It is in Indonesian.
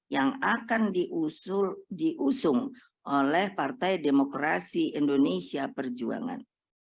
yang akan diusung oleh partai demokrasi indonesia perjuangan